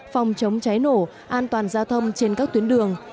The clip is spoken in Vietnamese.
phòng chống cháy nổ an toàn giao thông trên các tuyến đường